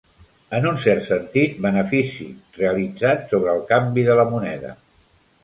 En un cert sentit, benefici realitzat sobre el canvi de la moneda.